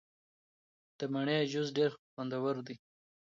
د مڼې جوس ډیر خوندور دی.